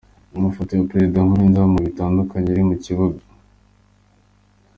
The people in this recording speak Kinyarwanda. Amafoto ya Perezida Nkurunziza mu bihe bitandukanye ari mu kibuga.